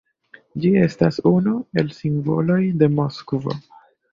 Ĝi estas unu el simboloj de Moskvo.